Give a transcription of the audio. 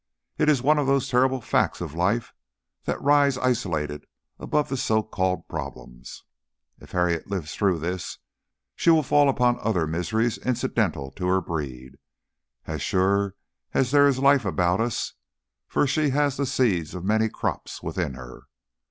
It is one of those terrible facts of life that rise isolated above the so called problems. If Harriet lives through this, she will fall upon other miseries incidental to her breed, as sure as there is life about us, for she has the seeds of many crops within her.